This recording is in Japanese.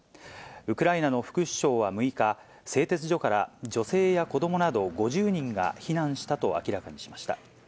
ウクライナの副首相は６日、製鉄所から、女性や子どもなど５０人が避難したと明らかにしました。